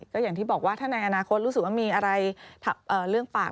ก็อย่างที่บอกว่าถ้าในอนาคตรู้สึกว่ามีอะไรเรื่องปาก